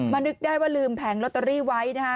นึกได้ว่าลืมแผงลอตเตอรี่ไว้นะฮะ